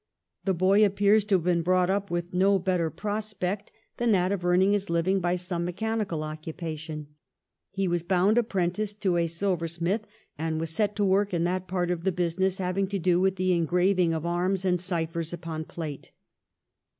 The boy appears to have been brought up with no better prospect 1702 14 WILLIAM HOGARTH. 311 than that of earning his living by some mechanical occupation. He was bound apprentice to a silver smith, and was set to work in that part of the business having to do with the engraving of arms and ciphers upon plate.